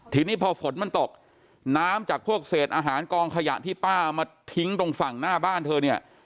ทีนี้พอฝนมันตกน้ำจากพวกเศษอาหารกองขยะที่ป้ามาทิ้งตรงฝั่งหน้าบ้านเธอเนี่ย